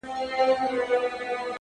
o زما خبري خدايه بيرته راکه ؛